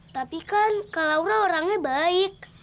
tapi kan kak laura orangnya baik